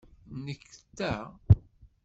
Nnek ta?